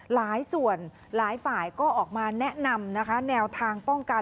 หลายส่วนหลายฝ่ายก็ออกมาแนะนำนะคะแนวทางป้องกัน